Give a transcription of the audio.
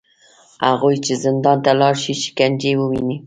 هغوی چې زندان ته لاړ شي، شکنجې وویني